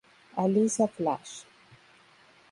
Alissa Flash.